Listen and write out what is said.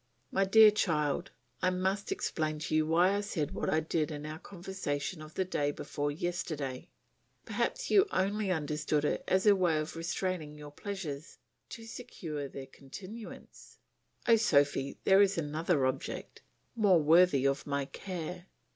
My dear child, I must explain to you why I said what I did in our conversation of the day before yesterday. Perhaps you only understood it as a way of restraining your pleasures to secure their continuance. Oh, Sophy, there was another object, more worthy of my care.